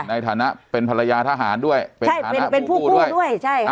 ในฐานะเป็นภรรยาทหารด้วยใช่เป็นภูเข้าด้วยใช่ค่ะ